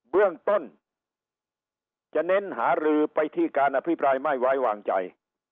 เบื้องต้นจะเน้นหารือไปที่การอภิปรายไม่ไว้วางใจ